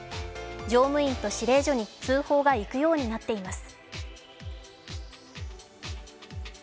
乗務員と指令所に通報が行くようになっています。